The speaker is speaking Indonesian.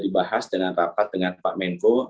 dibahas dengan rapat dengan pak menko